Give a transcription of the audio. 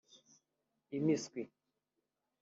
impiswi